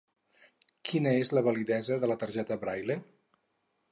Quina és la validesa de la targeta Braille?